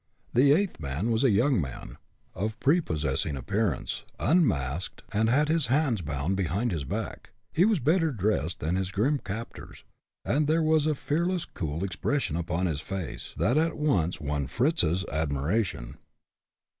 The eighth man was a young man, of prepossessing appearance, unmasked, and had his hands bound behind his back. He was better dressed than his grim captors, and there was a fearless, cool expression upon his face, that at once won Fritz's admiration.